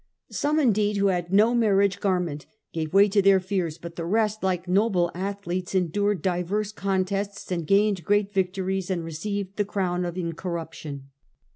Some, indeed, who had ' no marriage garment ' gave way to their fears ; but the rest, ' like noble athletes, endured divers contests, and gained great victories, and received the crown of incorruption.